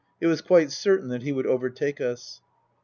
It was quite certain that he would overtake us.